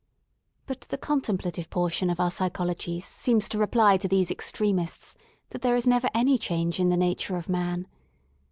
But the contemplative portion of our psychologies seems to reply to these extremists that there is never any change in the nature of man.